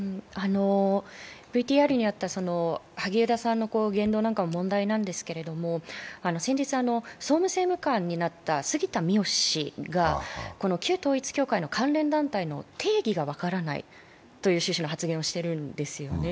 萩生田さんの言動なんかも問題なんですけれども、先日、総務政務官になった杉田水脈氏が旧統一教会の関連団体の定義が分からないという趣旨の発言をしているんですね。